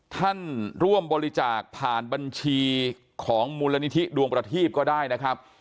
ท่านร่วมบริจาคผ่านบัญชีของมูลนิธิดวงประทีปก็ได้นะครับ